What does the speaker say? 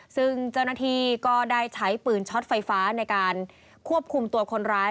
ซึ่งเจ้าหน้าที่ก็ได้ใช้ปืนช็อตไฟฟ้าในการควบคุมตัวคนร้าย